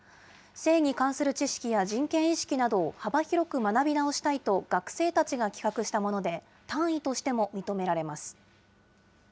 性に関する知識や人権意識などを幅広く学び直したいと、学生たちが企画したもので、単位としても認められます。